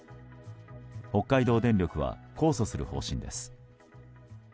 北海道電力は控訴する方針です。